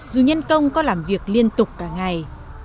dù nhân công có làm việc liên tục cả ngày